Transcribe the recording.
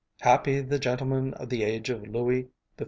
Happy the gentlemen of the age of Louis XIV.